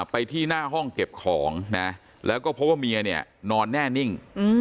ไปที่หน้าห้องเก็บของนะแล้วก็พบว่าเมียเนี่ยนอนแน่นิ่ง